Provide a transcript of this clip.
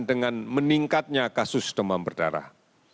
dengan meningkatnya kasus demam berdarah